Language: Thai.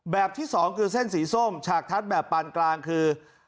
ที่สองคือเส้นสีส้มฉากทัดแบบปานกลางคือ